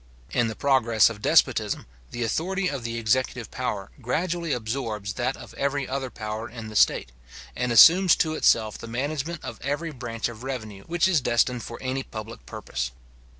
In the progress of despotism, the authority of the executive power gradually absorbs that of every other power in the state, and assumes to itself the management of every branch of revenue which is destined for any public purpose.